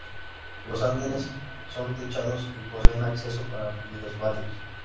Los andenes son techados y poseen acceso para minusválidos.